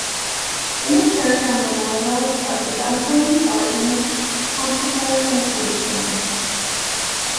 In the church are memorials of the Duncombe, Barton, Pauncefort, and Chase families.